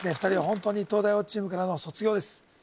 ２人は本当に東大王チームからの卒業です